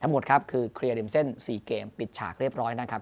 หมดครับคือเคลียร์ริมเส้น๔เกมปิดฉากเรียบร้อยนะครับ